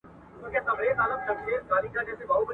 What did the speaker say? هغه د خپلې هوښیارۍ په مرسته د انگلیس د درغلنو مخنیوی وکړ.